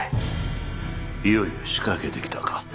いよいよ仕掛けてきたか。